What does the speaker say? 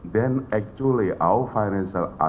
maka sebenarnya aset finansial kami